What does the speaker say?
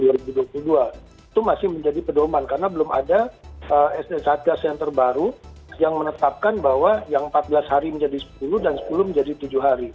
itu masih menjadi pedoman karena belum ada sd satgas yang terbaru yang menetapkan bahwa yang empat belas hari menjadi sepuluh dan sepuluh menjadi tujuh hari